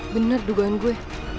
bener dugaan gue